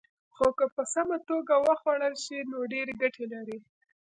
خو که په سمه توګه وخوړل شي، نو ډېرې ګټې لري.